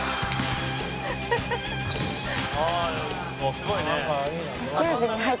すごいね。